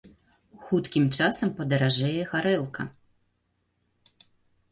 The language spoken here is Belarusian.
Хуткім часам падаражэе гарэлка.